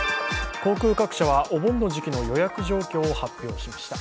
航空各社はお盆の時期の予約状況を発表しました。